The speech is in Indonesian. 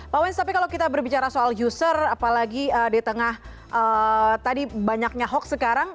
pak wens tapi kalau kita berbicara soal user apalagi di tengah tadi banyaknya hoax sekarang